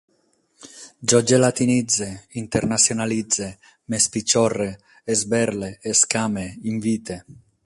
Jo gelatinitze, internacionalitze, m'espixorre, esberle, escame, invite